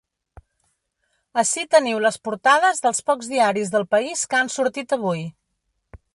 Ací teniu les portades dels pocs diaris del país que han sortit avui.